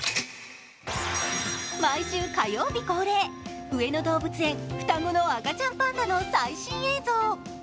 毎週火曜日恒例、上野動物園双子の赤ちゃんパンダの最新映像。